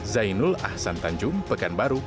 zainul ahsan tanjung pekanbaru